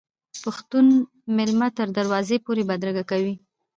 پښتون میلمه تر دروازې پورې بدرګه کوي.